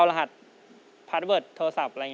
เฮ้ยอย่าลืมฟังเพลงผมอาจารย์นะ